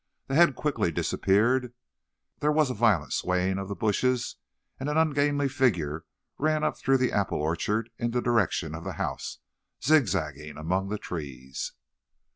The head quickly disappeared; there was a violent swaying of the bushes, and an ungainly figure ran up through the apple orchard in the direction of the house, zig zagging among the trees.